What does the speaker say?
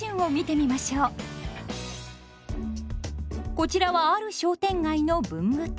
こちらはある商店街の文具店。